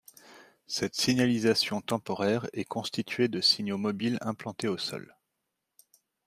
Cette signalisation temporaire est constituée de signaux mobiles implantés au sol.